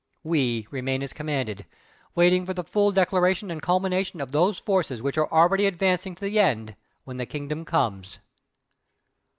'We' remain as commanded, waiting for the full declaration and culmination of those forces which are already advancing to the end, when the 'Kingdom' comes!"